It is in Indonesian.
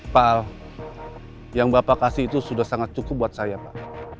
pak al yang bapak kasih itu sudah sangat cukup buat saya pak